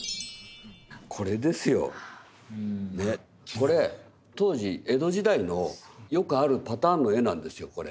これ当時江戸時代のよくあるパターンの絵なんですよこれ。